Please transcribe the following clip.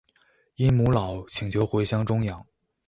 因母老请求回乡终养。